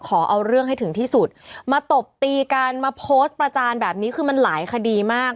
ขอเอาเรื่องให้ถึงที่สุดมาตบตีกันมาโพสต์ประจานแบบนี้คือมันหลายคดีมาก